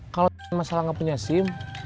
kalau masalah nggak punya sim